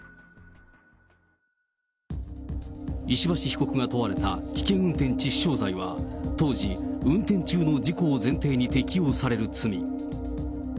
石橋被告が問われた危険運転致死傷罪は、当時、運転中の事故を前提に適用される罪。